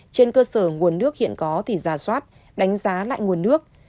trên cơ sở nguồn nước hiện có thì giả soát đánh giá lại nguồn nước